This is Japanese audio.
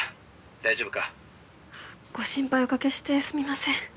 大丈夫か？ご心配おかけしてすみません。